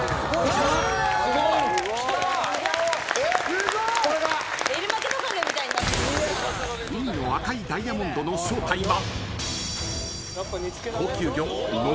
すごい！［海の赤いダイヤモンドの正体は］